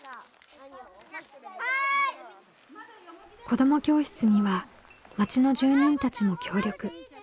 子ども教室には町の住人たちも協力。